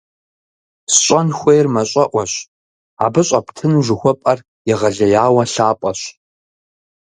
СщӀэн хуейр мащӀэӀуэщ, абы щӀэптыну жыхуэпӀэр егъэлеяуэ лъапӀэщ!